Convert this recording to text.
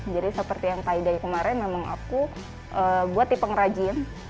jadi seperti yang tie dye kemarin memang aku buat di pengrajin